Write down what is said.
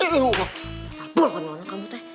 ngasal bulu bulu kamu teh